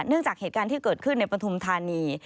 จากเหตุการณ์ที่เกิดขึ้นในปฐุมธานี